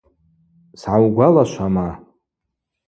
Сгӏаугвалашвама?